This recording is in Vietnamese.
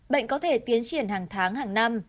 bệnh có thể tiến triển hàng tháng hàng năm